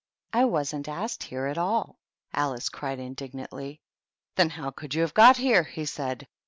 " I wasn't asked here at all !" Alice cried, in dignantly. " Then how could you have got here ?" he said.